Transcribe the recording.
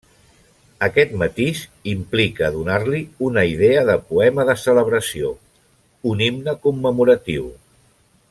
Aquest matís implica donar-li una idea de poema de celebració, un himne commemoratiu.